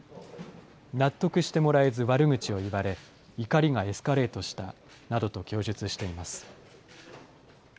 納得してもらえず悪口を言われ、怒りがエスカレートしたなどと供述しています。